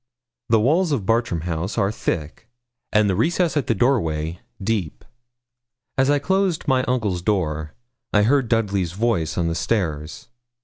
The walls of Bartram House are thick, and the recess at the doorway deep. As I closed my uncle's door, I heard Dudley's voice on the stairs.